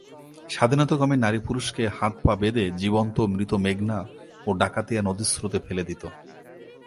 স্বাধীনতাকামী নারী পুরুষকে হাত-পা বেঁধে জীবন্ত ও মৃত মেঘনা ও ডাকাতিয়া নদীর স্রোতে ফেলে দিতো।